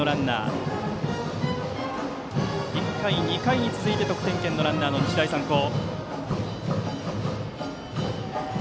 １回、２回に続いて得点圏にランナー、日大三高。